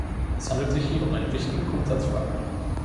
Es handelt sich hier um eine wichtige Grundsatzfrage.